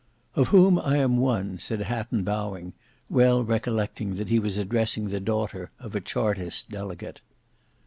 "Of whom I am one," said Hatton bowing, well recollecting that he was addressing the daughter of a chartist delegate.